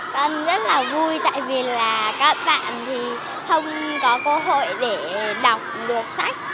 con rất là vui tại vì là các bạn thì không có cơ hội để đọc được sách